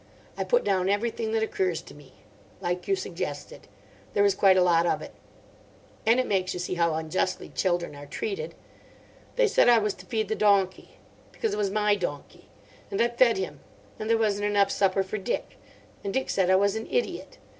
I put down everything that occurs to me. Like you suggested. There is quite a lot of it. And it makes you see how unjustly children are treated. They said I was to feed the donkey. Because it was my donkey. And I fed him. And there wasn't enough supper for Dick. And Dick said I was an idiot.